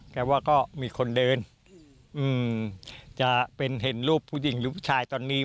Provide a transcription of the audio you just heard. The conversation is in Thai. ว่าก็มีคนเดินจะเป็นเห็นรูปผู้หญิงหรือผู้ชายตอนนี้